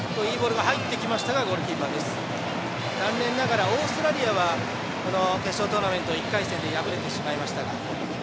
残念ながらオーストリアはこの決勝トーナメント１回戦で敗れてしまいましたが。